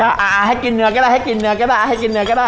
อะให้กินเนื้อก็ได้